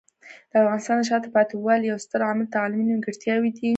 د افغانستان د شاته پاتې والي یو ستر عامل تعلیمي نیمګړتیاوې دي.